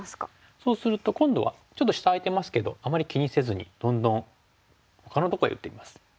そうすると今度はちょっと下空いてますけどあまり気にせずにどんどんほかのとこへ打っていきます。